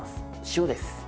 塩です。